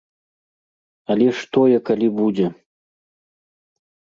Але ж тое калі будзе.